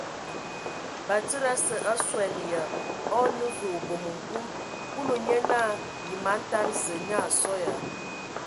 Batsidi ase a suan ya, a o nə vǝ o bomoŋ nkul. Kulu nye naa: Yǝ man tada Zǝə nyaa a sɔ ya ?.